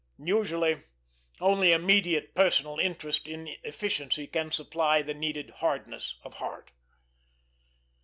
Usually only immediate personal interest in efficiency can supply the needed hardness of heart.